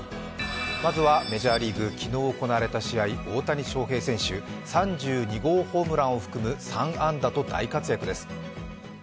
まずはメジャーリーグ、昨日行われた試合、大谷翔平選手３２号ホームランを含む３安打と大活躍です。